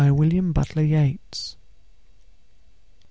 William Butler Yeats. b.